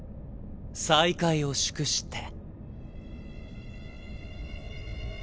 再会を祝して。